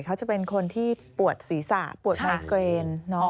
เขาจะเป็นคนที่ปวดศีรษะปวดไมเกรน